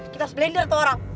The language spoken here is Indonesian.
kita harus blender tuh orang